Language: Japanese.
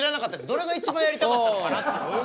どれが一番やりたかったのかなって。